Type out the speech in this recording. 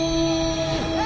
うわ！